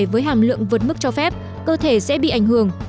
với hàm lượng vượt mức cho phép cơ thể sẽ bị ảnh hưởng